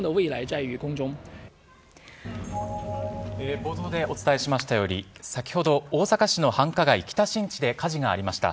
冒頭でお伝えしましたように先ほど、大阪市の繁華街北新地で火事がありました。